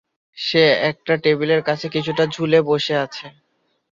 সে একটা টেবিলের কাছে কিছুটা ঝুলে বসে আছে।